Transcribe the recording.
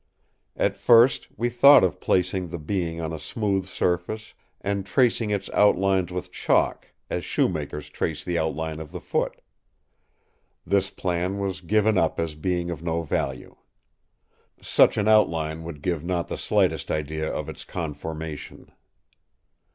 At first we thought of placing the being on a smooth surface and tracing its outlines with chalk, as shoemakers trace the outline of the foot. This plan was given up as being of no value. Such an outline would give not the slightest idea of its conformation.